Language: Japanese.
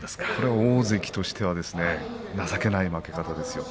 大関として情けない負け方です。